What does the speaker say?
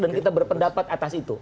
dan kita berpendapat atas itu